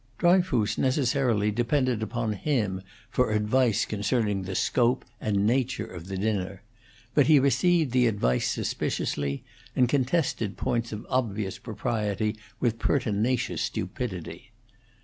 Dryfoos necessarily depended upon him for advice concerning the scope and nature of the dinner, but he received the advice suspiciously, and contested points of obvious propriety with pertinacious stupidity.